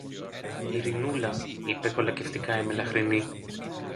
Ειρηνούλα, είπε κολακευτικά η μελαχρινή